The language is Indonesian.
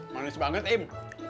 manis banget im